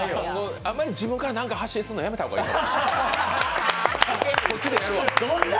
あまり自分から何か発信するの、やめた方がいいかも。